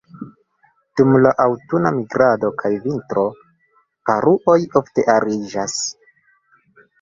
Dum la aŭtuna migrado kaj vintro, paruoj ofte ariĝas.